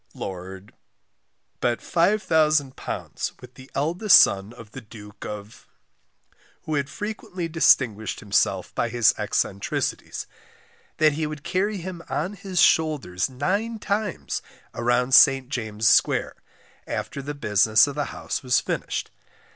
Lord bet £5000 with the eldest son of the Duke of who had frequently distinguished himself by his eccentricities, that he would carry him on his shoulders nine times round St. James's square after the business of the house was finished.